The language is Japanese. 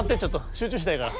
集中したいから。